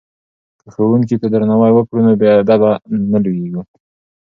که ښوونکي ته درناوی وکړو نو بې ادبه نه لویږو.